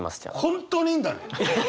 本当にいいんだね？